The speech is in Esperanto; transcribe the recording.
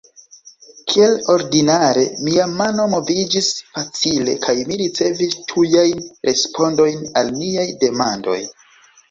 Kiel ordinare, mia mano moviĝis facile, kaj mi ricevis tujajn respondojn al niaj demandoj.